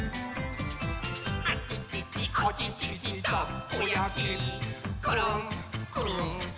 あちちちあちちちたこやきころんくるんたこやき！